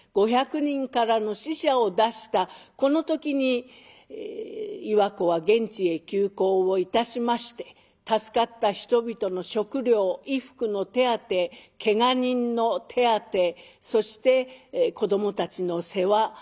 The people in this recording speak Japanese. ５００人からの死者を出したこの時に岩子は現地へ急行をいたしまして助かった人々の食糧衣服の手当てけが人の手当てそして子どもたちの世話。